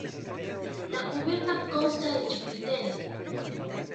La cubierta consta de chapitel.